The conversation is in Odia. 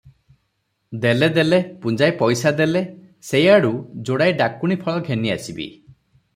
ଦେଲେ ଦେଲେ, ପୁଞ୍ଜାଏ ପଇସା ଦେଲେ, ସେଇଆଡ଼ୁ ଯୋଡ଼ାଏ ଡାକୁଣୀ ଫଳ ଘେନି ଆସିବି ।"